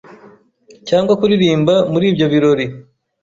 cyangwa kuririmba muri ibyo birori